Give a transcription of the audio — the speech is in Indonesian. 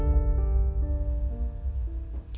aku gak mau dipelukku